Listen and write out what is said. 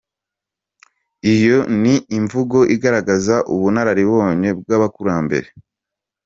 Iyo ni imvugo igaragaza ubunararibonye bw’abakurambere.